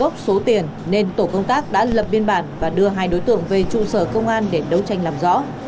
đối tượng không chứng minh được số tiền nên tổ công tác đã lập biên bản và đưa hai đối tượng về trụ sở công an để đấu tranh làm rõ